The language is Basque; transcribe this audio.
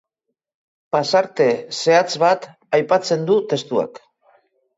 Pasarte zehatz bat aipatzen du testuak.